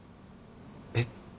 えっ？